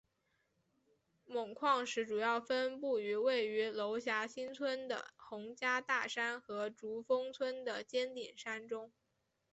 锰矿石主要分布于位于娄霞新村的洪家大山和竹峰村的尖顶山中。